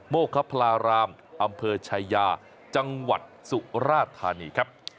โมคพลารามอำเภอชายาจังหวัดสุราธานีครับ